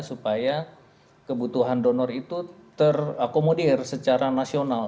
supaya kebutuhan donor itu terakomodir secara nasional